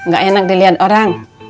gak enak dilihat orang